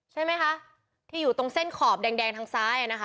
ใช่ไหมคะที่อยู่ตรงเส้นขอบแดงทางซ้ายนะคะ